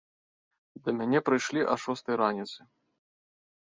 Да мяне прыйшлі а шостай раніцы.